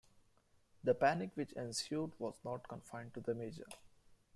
The panic which ensued was not confined to the Major.